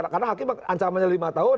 karena hakim ancamannya lima tahun